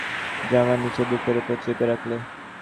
এলার হাত দুখানি নিয়ে অতীন জামার নিচে বুকের উপর চেপে রাখলে।